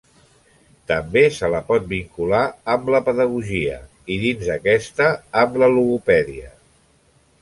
També se la pot vincular amb la pedagogia i, dins d'aquesta, amb la logopèdia.